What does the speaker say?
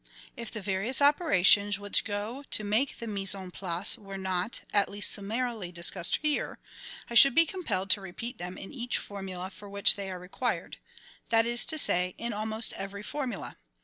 If the various operations which go to make the mise en place were not, at least summarily, discussed here, I should be compelled to repeat them in each formula for which they are required — that is to say, in almost every formula.